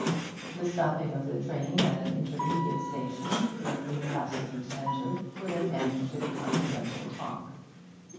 The stopping of the train at an intermediate station, where new passengers entered, put an end to the confidential talk.